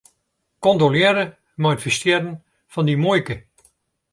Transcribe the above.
Kondolearre mei it ferstjerren fan dyn muoike.